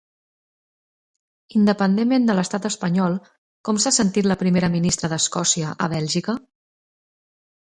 Independentment de l'estat espanyol, com s'ha sentit la primera ministra d'Escòcia a Bèlgica?